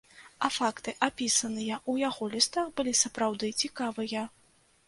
А факты, апісаныя ў яго лістах, былі сапраўды цікавыя.